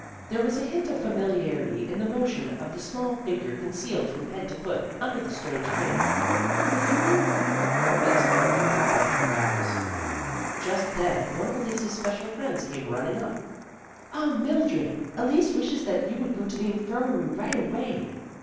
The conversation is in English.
There was a hint of familiarity in the motion of the small fig ure concealed from head to foot under the strange cape. " Who ?" commenced Mildred with bent brows. Just then one of Elise's special friends came running up. " Oh, Mildred, Elise wishes that you would go to the infirmary right away